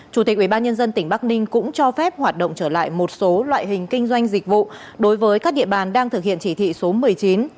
chủ tịch ubnd tỉnh bắc ninh cũng cho phép hoạt động trở lại một số loại hình kinh doanh dịch vụ đối với các địa bàn đang thực hiện chỉ thị số một mươi chín